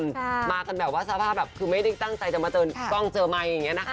ค่ะมากันแบบว่าสภาพแบบคือไม่ได้ตั้งใจจะมาเจอกล้องเจอไมค์อย่างเงี้นะคะ